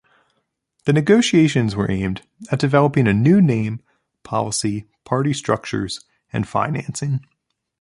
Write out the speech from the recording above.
The negotiations were aimed at developing a new name, policy, party structures and financing.